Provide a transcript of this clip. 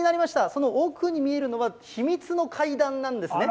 その奥に見えるのは、秘密の階段なんですね。